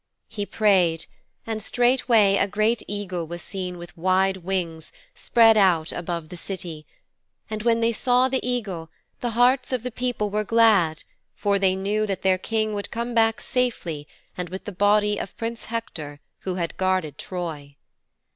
"' 'He prayed, and straightway a great eagle was seen with wide wings spread out above the City, and when they saw the eagle, the hearts of the people were glad for they knew that their King would come back safely and with the body of Prince Hector who had guarded Troy.'